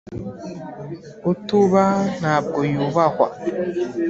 utubaha ntabwo yubahwa.